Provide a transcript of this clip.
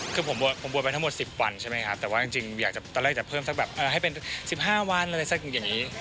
คือผมบวชไปทั้งหมด๑๐วันใช่ไหมครับแต่ว่าจริงอยากจะตอนแรกจะเพิ่มสักแบบให้เป็น๑๕วันอะไรสักอย่างนี้